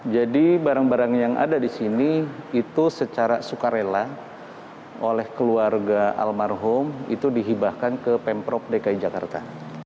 jadi barang barang yang ada di sini itu secara sukarela oleh keluarga almarhum itu dihibahkan ke pemprov dki jakarta